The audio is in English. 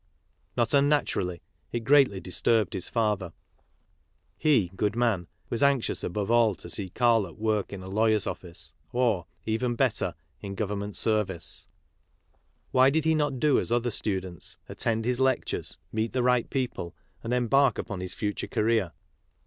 Not unnaturally, it greatly disturbed his father. He, good man, was anxious above all to see Karl at work in a lawyer's office, or, even better, in Government service. 8 KARL MARX Why did he not do as other students, attend his lectures, meet the right people, and embark upon his future career